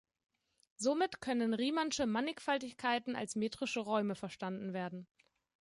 Somit können riemannsche Mannigfaltigkeiten als metrische Räume verstanden werden.